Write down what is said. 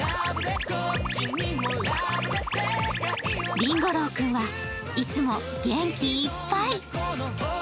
りんご郎君はいつも元気いっぱい。